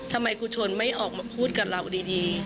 ทำไมครูชนไม่ออกมาพูดกับเราดี